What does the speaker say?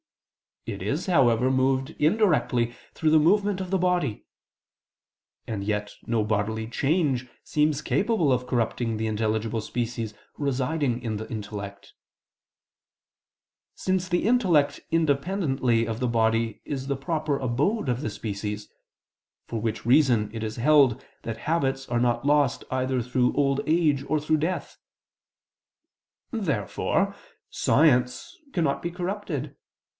It is, however, moved indirectly through the movement of the body: and yet no bodily change seems capable of corrupting the intelligible species residing in the intellect: since the intellect independently of the body is the proper abode of the species; for which reason it is held that habits are not lost either through old age or through death. Therefore science cannot be corrupted.